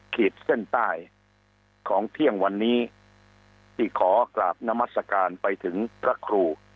ขีดเส้นใต้ของเที่ยงวันนี้ที่ขอกราบนมัศกาลไปถึงพระครู